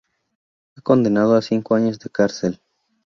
Fue condenado a cinco años de cárcel.